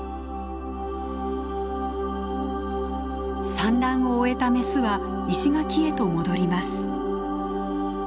産卵を終えたメスは石垣へと戻ります。